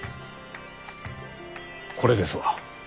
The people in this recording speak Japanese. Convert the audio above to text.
これですわ。